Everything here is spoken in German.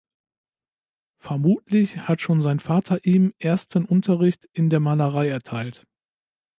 Vermutlich hat schon sein Vater ihm ersten Unterricht in der Malerei erteilt.